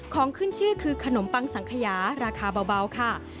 ของขึ้นชื่อคือขนมปังสังขยาราคาเบาค่ะ